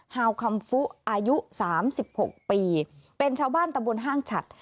ฮาวคัมฟุอายุ๓๖ปีเป็นชาวบ้านตำบลห้างฉัด